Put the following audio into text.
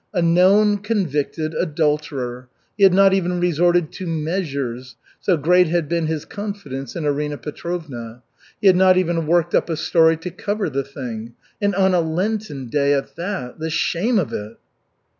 A known, convicted adulterer. He had not even resorted to "measures," so great had been his confidence in Arina Petrovna; he had not even worked up a story to cover the thing. And on a Lenten day at that. The shame of it!